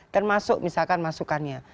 termasuk misalkan masukannya